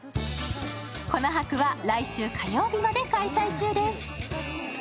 粉博は来週火曜日まで開催中です。